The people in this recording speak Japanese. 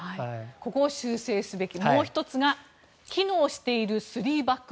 ここを修正すべきもう１つが機能している３バック。